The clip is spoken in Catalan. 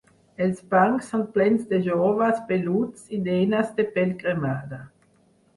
Els bancs són plens de joves peluts i nenes de pell cremada.